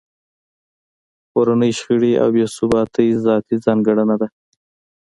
کورنۍ شخړې او بې ثباتۍ ذاتي ځانګړنه ده